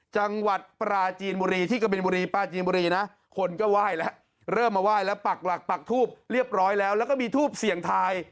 จังหวัดปราจีนบุรีที่กะบินบุรีปลาจีนบุรีนะคนก็ไหว้แล้วเริ่มมาไหว้แล้วปักหลักปักทูบเรียบร้อยแล้วแล้วก็มีทูบเสี่ยงทาย